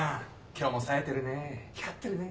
今日もさえてるね光ってるね。